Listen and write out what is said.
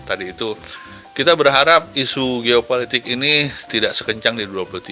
tadi itu kita berharap isu geopolitik ini tidak sekencang di dua ribu tiga puluh